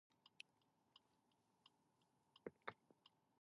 Όλοι οι Βούλγαροι ένα είναι